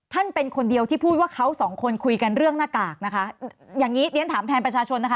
เป็นคนเดียวที่พูดว่าเขาสองคนคุยกันเรื่องหน้ากากนะคะอย่างงี้เรียนถามแทนประชาชนนะคะ